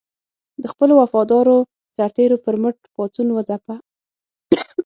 د خپلو وفادارو سرتېرو پر مټ پاڅون وځپه.